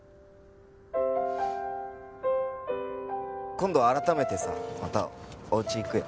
今度改めてさまたおうち行くよ。